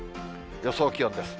予想気温です。